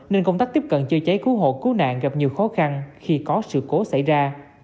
nên công tác tiếp cận chữa cháy cứu hộ cứu nạn gặp nhiều khó khăn khi có sự cố xảy ra